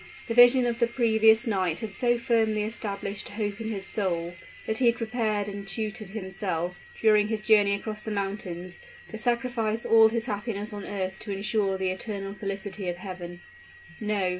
The vision of the previous night had so firmly established hope in his soul, that he had prepared and tutored himself, during his journey across the mountains, to sacrifice all his happiness on earth to insure the eternal felicity of heaven. No.